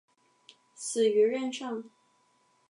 死于任上。